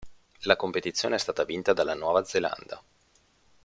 La competizione è stata vinta dalla Nuova Zelanda.